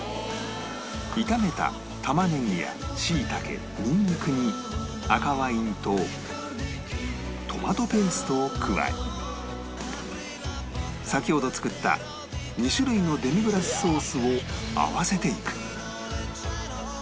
炒めた玉ねぎや椎茸ニンニクに赤ワインとトマトペーストを加え先ほど作った２種類のデミグラスソースを合わせていく